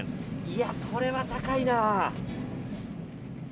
いや、それは高いな。